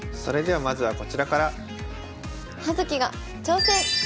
それではまずはこちらから。